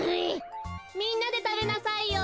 みんなでたべなさいよ。